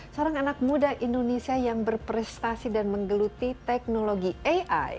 seorang anak muda indonesia yang berprestasi dan menggeluti teknologi ai